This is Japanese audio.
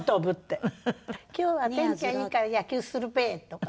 「今日は天気がいいから野球するべ」とか。